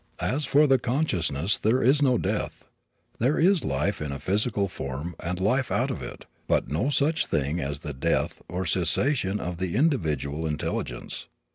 As for the consciousness, there is no death. There is life in a physical form and life out of it, but no such thing as the death, or cessation, of the individual intelligence.